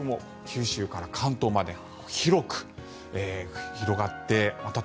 九州から関東まで広く広がってまた